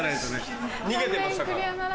逃げてましたから。